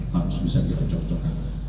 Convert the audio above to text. harus bisa kita cocokkan